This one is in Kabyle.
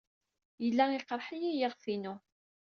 Yella iqerreḥ-iyi yiɣef-inu.